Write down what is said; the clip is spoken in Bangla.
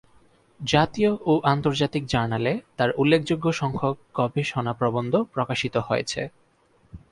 জাতীয় ও আন্তর্জাতিক জার্নালে তার উল্লেখযোগ্য সংখ্যক গবেষণা প্রবন্ধ প্রকাশিত হয়েছে।